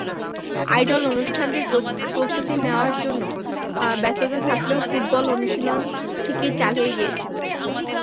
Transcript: Idol অনুষ্ঠানটির প্রস্তুতি নেওয়ার জন্য ব্যস্ততা থাকলেও ফুটবল অনুশীলন ঠিকই চালিয়ে গেছেন।